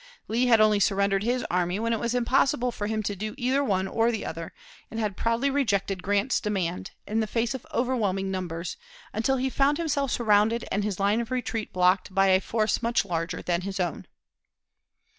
Lee had only surrendered his army when it was impossible for him to do either one or the other, and had proudly rejected Grant's demand, in the face of overwhelming numbers, until he found himself surrounded and his line of retreat blocked by a force much larger than his own.